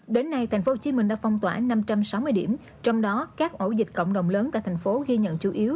đến nay tp hcm đã phong tỏa năm trăm sáu mươi điểm trong đó các ổ dịch cộng đồng lớn tại thành phố ghi nhận chủ yếu